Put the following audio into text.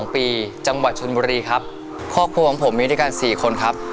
พ่อครัวของผมมีด้วยกัน๔คนครับ